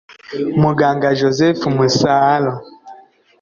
Muganga Joseph Musaalo